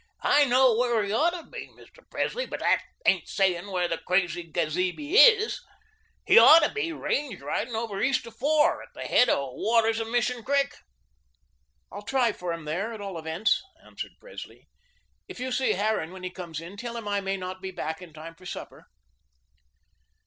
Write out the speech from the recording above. I know where he ought to be, Mr. Presley, but that ain't saying where the crazy gesabe is. He OUGHT to be range riding over east of Four, at the head waters of Mission Creek." "I'll try for him there, at all events," answered Presley. "If you see Harran when he comes in, tell him I may not be back in time for supper."